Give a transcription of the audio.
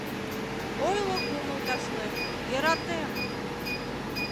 Ойло кумыл ташлен: «Йӧратем!»